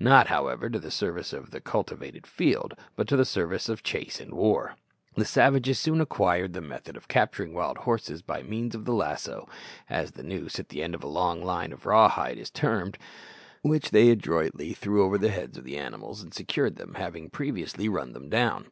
Not, however, to the service of the cultivated field, but to the service of the chase and war. The savages soon acquired the method of capturing wild horses by means of the lasso as the noose at that end of a long line of raw hide is termed which they adroitly threw over the heads of the animals and secured them, having previously run them down.